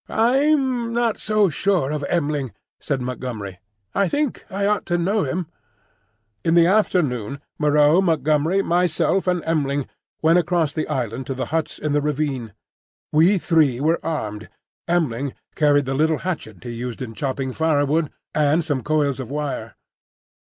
"I'm not so sure of M'ling," said Montgomery. "I think I ought to know him." In the afternoon, Moreau, Montgomery, myself, and M'ling went across the island to the huts in the ravine. We three were armed; M'ling carried the little hatchet he used in chopping firewood, and some coils of wire.